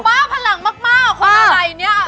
มากพลังมากคนอะไรนี่